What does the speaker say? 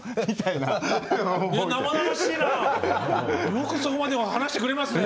よくそこまで話してくれますね。